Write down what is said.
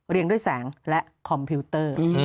ด้วยแสงและคอมพิวเตอร์